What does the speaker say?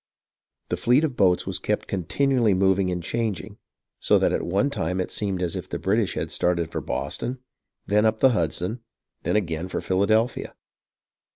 The fleet of boats was kept continually moving and changing, so that at one time it seemed as if the British had started for Boston, then up the Hudson, and then again for Philadelphia.